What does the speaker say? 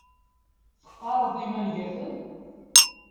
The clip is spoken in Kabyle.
Teqqareḍ imangaten?